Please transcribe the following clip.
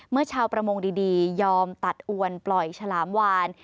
ชาวประมงดียอมตัดอวนปล่อยฉลามวาน